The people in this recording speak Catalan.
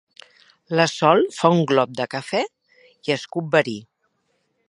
La Sol fa un glop de cafè i escup verí.